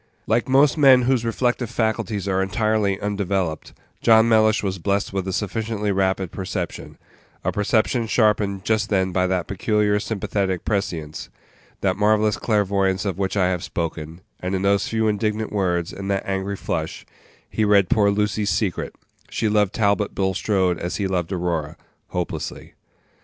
Like most men whose reflective faculties are entirely undeveloped, John Mellish was blessed with a sufficiently rapid perception a perception sharpened just then by that peculiar sympathetic prescience, that marvellous clairvoyance of which I have spoken; and in those few indignant words, and that angry flush, he read poor Lucy's secret; she loved Talbot Bulstrode as he loved Aurora hopelessly.